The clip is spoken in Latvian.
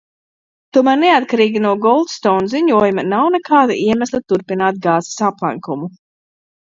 Tomēr neatkarīgi no Goldstone ziņojuma nav nekāda iemesla turpināt Gazas aplenkumu.